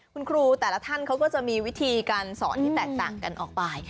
คุณครูแต่ละท่านเขาก็จะมีวิธีการสอนที่แตกต่างกันออกไป